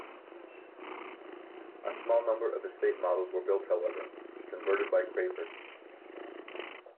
A small number of estate models were built however, converted by Crayford.